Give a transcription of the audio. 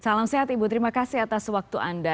salam sehat ibu terima kasih atas waktu anda